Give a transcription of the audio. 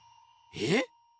えっ？